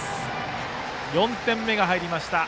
４点目が入りました